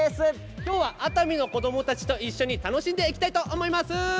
今日は熱海の子どもたちと一緒に楽しんでいきたいと思います。